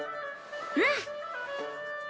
うん。